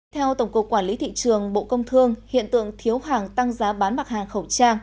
theo tổng cục quản lý thị trường bộ công thương hiện tượng thiếu hàng tăng giá bán mặc hàng khẩu trang